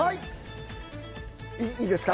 いいですか？